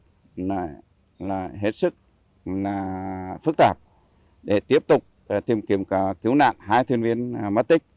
hành trình này là hết sức phức tạp để tiếp tục tìm kiếm cứu nạn hai thuyền viên mất tích